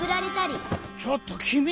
ちょっときみ！